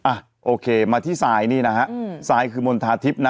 อ่าวโขมาที่บางทีที่สายนี้นะฮะสายคือมนธาทิพย์นะ